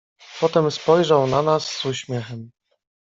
"Potem spojrzał na nas z uśmiechem."